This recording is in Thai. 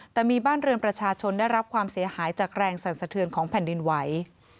แต่มีบ้านเรือนประชาชนได้รับความเสียหายจากแรงสั่นสะเทือนของแผ่นดินไหว